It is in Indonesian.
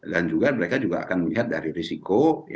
dan juga mereka akan melihat dari risiko